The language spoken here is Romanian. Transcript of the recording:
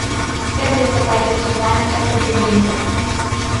Trebuie să facem ceva în această privință.